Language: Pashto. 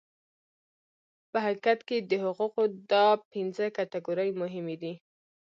په حقیقت کې د حقوقو دا پنځه کټګورۍ مهمې دي.